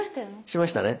しましたね？